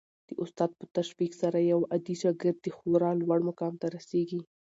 د استاد په تشویق سره یو عادي شاګرد خورا لوړ مقام ته رسېږي.